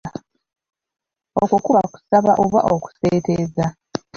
Okwo kuba kusaaba oba okuseeteeza.